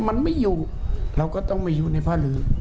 มันไม่อยู่เราก็ต้องมาอยู่ในผ้าเหลือง